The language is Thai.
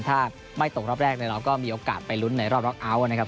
ถ้าไม่ตกรอบแรกเนี่ยเราก็มีโอกาสไปลุ้นในรอบล็อกเอาท์นะครับ